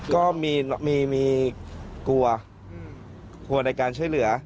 ก็มีกลัวกลัวในการช่วยเหลือ